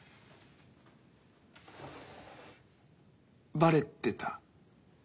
バレてた？